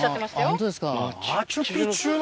本当ですか？